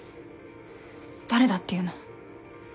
誰だっていうの？